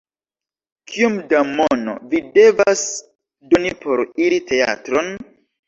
Kiom da mono mi devas doni por iri teatron?